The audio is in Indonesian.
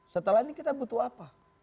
setelah ini kita butuh apa